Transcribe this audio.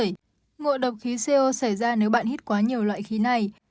ngộ độc khí co xảy ra nếu bạn hít quá nhiều loại khí này